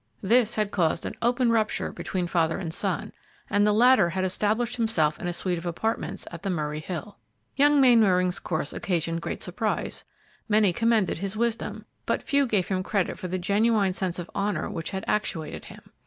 This had caused an open rupture between father and son, and the latter had established himself in a suite of apartments at the Murray Hill. Young Mainwaring's course occasioned great surprise; many commended his wisdom, but few gave him credit for the genuine sense of honor which had actuated him.